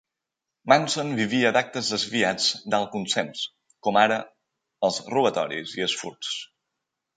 Manson vivia d'actes desviats d'alt consens, com ara els robatoris i els furts.